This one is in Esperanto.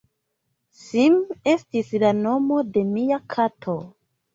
Sim estis la nomo de mia kato.